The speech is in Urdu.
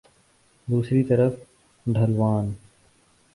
دوسری طرف ڈھلوان